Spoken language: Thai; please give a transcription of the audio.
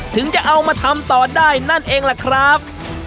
ถึงจะเอามาทำต่อได้นั่นเองล่ะครับ